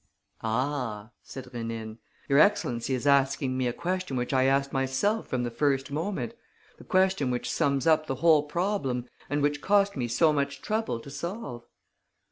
"Ah," said Rénine. "Your excellency is asking me a question which I asked myself from the first moment, the question which sums up the whole problem and which cost me so much trouble to solve!